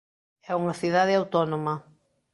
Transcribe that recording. É unha cidade autónoma.